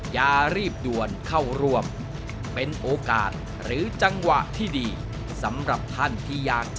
อย่ารีบด่วนเข้าร่วมเป็นโอกาสหรือจังหวะที่ดี